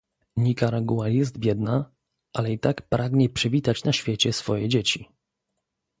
Nikaragua jest biedna, ale i tak pragnie przywitać na świecie swoje dzieci